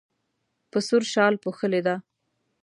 په سور شال پوښلی دی.